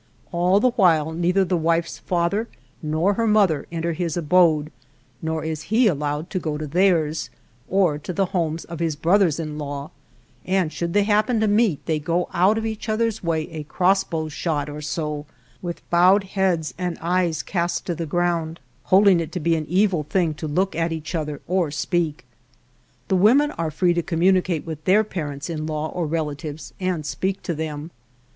All the while neither the wife's father nor her mother enter his abode, nor is he allowed to go to theirs, or to the homes of his brothers in law, and should they happen to meet they go out of each other's way a crossbow's shot or so, with bowed heads and eyes cast to the ground, holding it to be an evil thing to look at each other or speak. The women are free to communicate with their parents in law or relatives and speak to them.